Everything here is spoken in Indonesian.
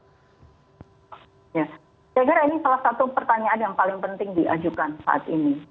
ya saya kira ini salah satu pertanyaan yang paling penting diajukan saat ini